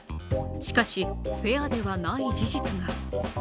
しかしフェアではない事実が。